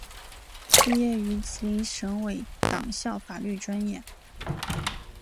毕业于吉林省委党校法律专业。